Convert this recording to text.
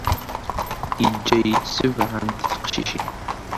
Yeǧǧa-yi-d sebɛa n teqcicin.